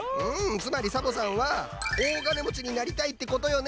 つまりサボさんは大金もちになりたいってことよね？